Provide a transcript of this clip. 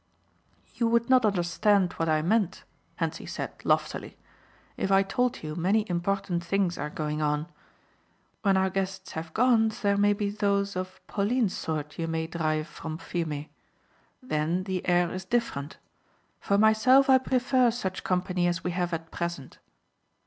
"You would not understand what I meant," Hentzi said, loftily, "if I told you many important things are going on. When our guests have gone there may be those of Pauline's sort you may drive from Fiume. Then the air is different. For myself I prefer such company as we have at present."